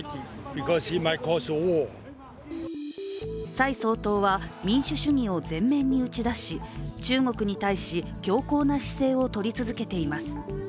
蔡総統は、民主主義を前面に打ち出し中国に対し強硬な姿勢を取り続けています。